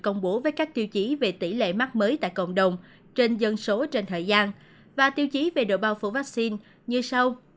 công bố với các tiêu chí về tỷ lệ mắc mới tại cộng đồng trên dân số trên thời gian và tiêu chí về độ bao phủ vaccine như sau